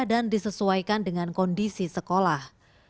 dan disesuaikan dengan kondisi sekolah